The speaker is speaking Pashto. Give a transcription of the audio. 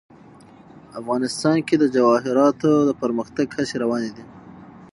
افغانستان کې د جواهرات د پرمختګ هڅې روانې دي.